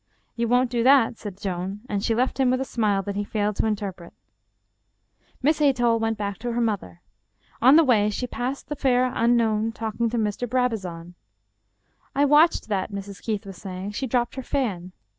" You won't do that," said Joan, and she left him with a smile that he failed to interpret. Miss Athol went back to her mother. On the way she passed the fair unknown talking to Mr. Brabazon. " I watched that," Mrs. Keith was saying ;" she dropped her fan.